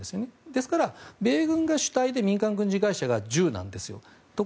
ですから米軍が主体で民間軍事会社が従なんです。